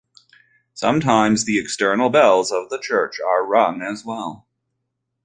Sometimes the external bells of the church are rung as well.